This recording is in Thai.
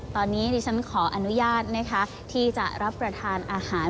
ตอนนี้ดิฉันขออนุญาตนะคะที่จะรับประทานอาหาร